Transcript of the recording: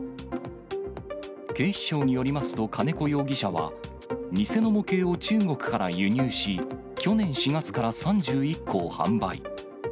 警視庁によりますと、金子容疑者は、偽の模型を中国から輸入し、去年４月から３１個を販売。